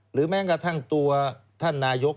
แม้กระทั่งตัวท่านนายก